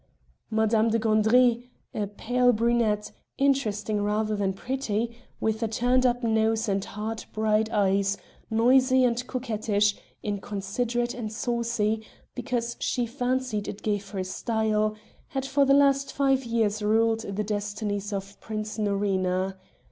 Madame de Gandry a pale brunette, interesting rather than pretty, with a turned up nose and hard bright eyes, noisy and coquettish, inconsiderate and saucy, because she fancied it gave her style had for the last five years ruled the destinies of Prince Norina.